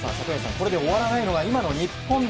これで終わらないのが今の日本。